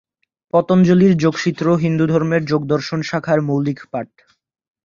পতঞ্জলির যোগসূত্র হিন্দুধর্মের যোগ দর্শন শাখার মৌলিক পাঠ।